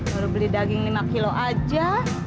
baru beli daging lima kilo aja